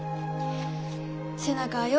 背中はよ